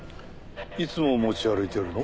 いつも持ち歩いてるの？